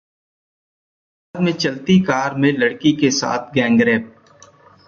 इलाहबाद में चलती कार में लड़की के साथ गैंगरेप